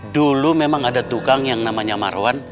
dulu memang ada tukang yang namanya marwan